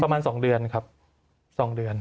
ประมาณ๒เดือนครับ๒เดือน